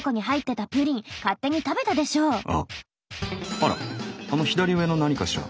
あらあの左上の何かしら？